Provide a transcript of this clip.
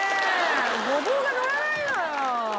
ゴボウがのらないのよ！